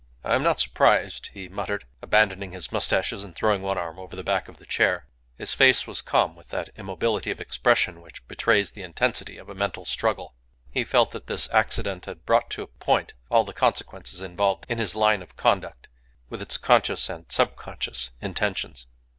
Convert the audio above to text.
"I am not surprised," he muttered, abandoning his moustaches and throwing one arm over the back of his chair. His face was calm with that immobility of expression which betrays the intensity of a mental struggle. He felt that this accident had brought to a point all the consequences involved in his line of conduct, with its conscious and subconscious intentions.